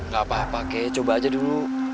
gak apa apa pakai coba aja dulu